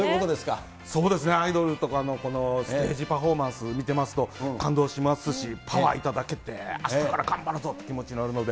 アイドルとかのステージパフォーマンス見てますと、感動しますし、パワー頂けて、あしたから頑張るぞという気持ちになるので。